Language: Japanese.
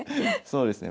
そうですね。